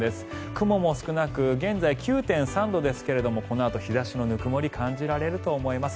雲も少なく現在、９．３度ですけどもこのあと日差しのぬくもりが感じられると思います。